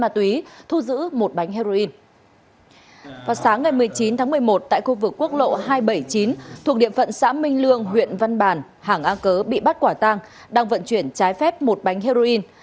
thuộc điện phận xã minh lương huyện văn bàn hàng a cớ bị bắt quả tang đang vận chuyển trái phép một bánh heroin